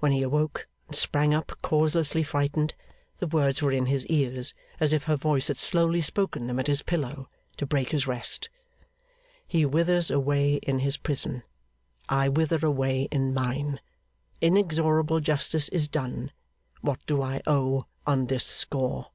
When he awoke, and sprang up causelessly frightened, the words were in his ears, as if her voice had slowly spoken them at his pillow, to break his rest: 'He withers away in his prison; I wither away in mine; inexorable justice is done; what do I owe on this score!